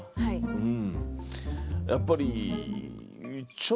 うん。